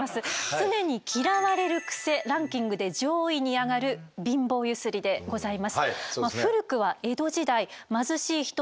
常に嫌われるクセランキングで上位に挙がる貧乏ゆすりでございます。